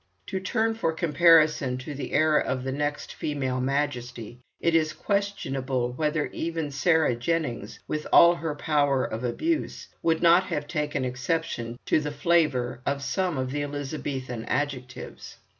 To turn for comparison to the era of the next female majesty, it is questionable whether even Sarah Jennings, with all her power of abuse, would not have taken exception to the flavour of some of the Elizabethan adjectives.